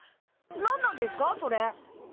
何なんですかそれ？